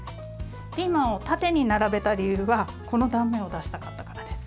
ピーマンを縦に並べた理由はこの断面を出したかったからです。